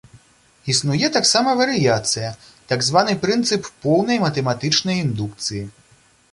Існуе таксама варыяцыя, так званы прынцып поўнай матэматычнай індукцыі.